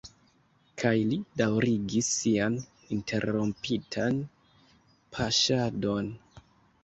Kaj li daŭrigis sian interrompitan paŝadon.